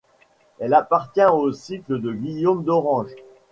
Elle appartient au Cycle de Guillaume d'Orange.